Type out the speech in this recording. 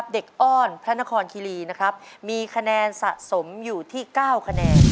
อ้อนพระนครคิรีนะครับมีคะแนนสะสมอยู่ที่๙คะแนน